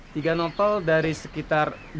tiga novel dari sekitar